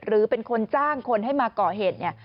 หรือเป็นคนจ้างคนให้มาก่อเหตุเนี่ย